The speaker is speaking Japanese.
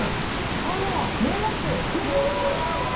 お金は増えますよ。